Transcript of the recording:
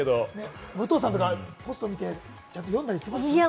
武藤さんとかポスト見て読んだりします？